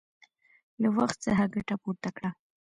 له وخت څخه ګټه پورته کړه!